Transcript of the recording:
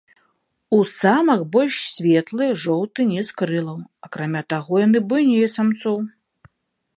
У самак больш светлы, жоўты ніз крылаў, акрамя таго, яны буйней самцоў.